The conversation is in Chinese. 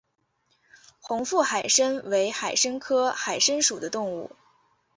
红腹海参为海参科海参属的动物。